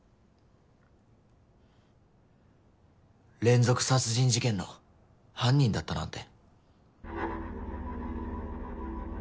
連続殺人事件の犯人だったなんて。